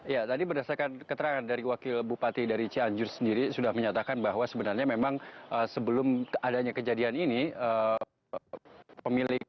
ya tadi berdasarkan keterangan dari wakil bupati dari cianjur sendiri sudah menyatakan bahwa sebenarnya memang sebelum adanya kejadian ini